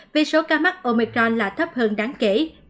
vì số ca mắc omicron là thấp hơn đáng kể